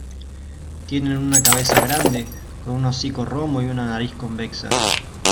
Tienen una cabeza grande, con un hocico romo y una nariz convexa.